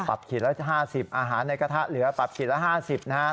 ปรับขรีดแล้วห้าสิบอาหารในกระทะเหลือปรับขรีดแล้วห้าสิบนะฮะ